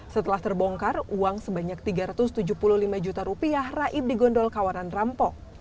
setelah terbongkar uang sebanyak tiga ratus tujuh puluh lima juta rupiah raib di gondol kawanan rampok